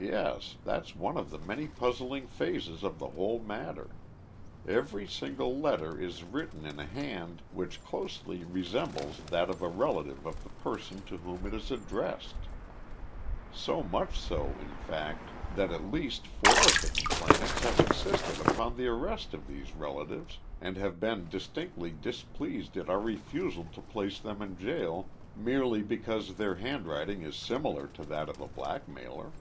"Yes, that's one of the many puzzling phases of the whole matter. Every single letter is written in a hand which closely resembles that of a relative of the person to whom it is addressed! So much so, in fact, that at least four of the complainants have insisted upon the arrest of these relatives, and have been distinctly displeased at our refusal to place them in jail merely because their handwriting is similar to that of a blackmailer."